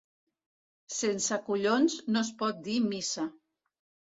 Sense collons no es pot dir missa.